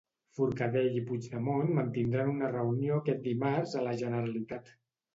Forcadell i Puigdemont mantindran una reunió aquest dimarts a la Generalitat.